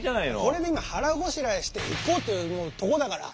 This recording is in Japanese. これで今腹ごしらえして行こうってとこだから。